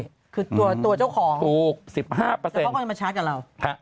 คือตัวเจ้าของแต่เขาค่อยมาชาร์จกับเราถูก๑๕